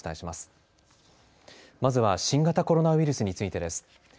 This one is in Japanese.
まずは新型コロナウイルスについてです。